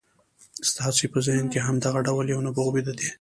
ستاسې په ذهن کې هم دغه ډول يو نبوغ ويده دی.